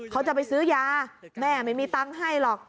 เขาจะไปซื้อยาแม่ไม่มีตังค์ให้หรอก